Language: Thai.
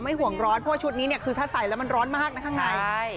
ห่วงร้อนเพราะว่าชุดนี้เนี่ยคือถ้าใส่แล้วมันร้อนมากนะข้างใน